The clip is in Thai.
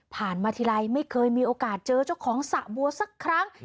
มาทีไรไม่เคยมีโอกาสเจอเจ้าของสระบัวสักครั้ง